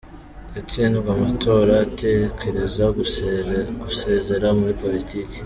Yatsinzwe amatora atekereza gusezera muri politiki.